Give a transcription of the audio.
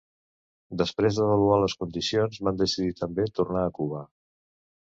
Després d'avaluar les condicions van decidir també tornar a Cuba.